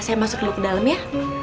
saya masuk dulu ke dalam ya